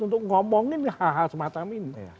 untuk ngomongin hal hal semacam ini